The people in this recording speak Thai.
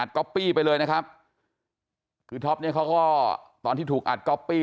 ก๊อปปี้ไปเลยนะครับคือท็อปเนี่ยเขาก็ตอนที่ถูกอัดก๊อปปี้